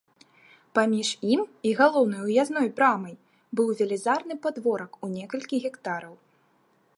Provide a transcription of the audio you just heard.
Паміж ім і галоўнай уязной брамай быў велізарны падворак у некалькі гектараў.